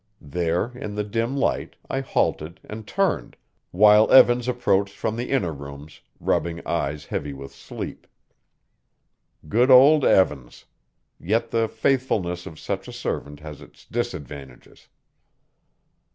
There, in the dim light, I halted and turned, while Evans approached from the inner rooms, rubbing eyes heavy with sleep. Good old Evans! Yet the faithfulness of such a servant has its disadvantages.